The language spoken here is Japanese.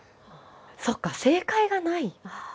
そっか正解がない。